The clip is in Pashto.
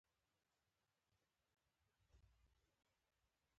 پښين